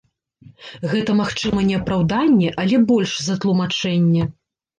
Гэта, магчыма, не апраўданне, але больш за тлумачэнне.